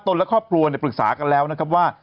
และครอบครัวปรึกษากันแล้วนะครับว่า